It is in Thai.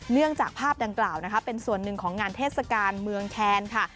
เนื่องจากภาพดังกล่าวนะคะเป็นส่วนหนึ่งของงานเทศกาลเมืองแคนค่ะ